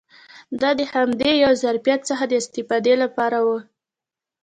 دا د همداسې یو ظرفیت څخه د استفادې لپاره و.